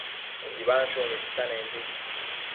tsibansshun istanembi